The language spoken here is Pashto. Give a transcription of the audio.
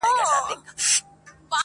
یو د بل به یې سرونه غوڅوله!.